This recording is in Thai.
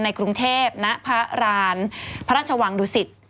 ในกรุงเทพฯณพระราชวังดุสิต